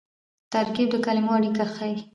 ترکیب د کلیمو اړیکه ښيي.